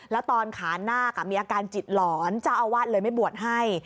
แล้วตอนขานาคมีอาการจิตหลอนเจ้าอาวาสเลยไม่บวชให้